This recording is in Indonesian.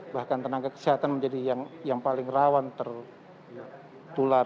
bahkan tenaga kesehatan menjadi yang paling rawan tertular